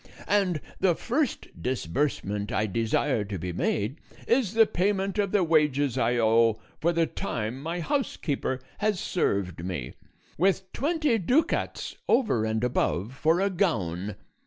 And the first disbursement I desire to be made is the payment of the wages I owe for the time my housekeeper has served me, with twenty ducats, over and above, for a gown.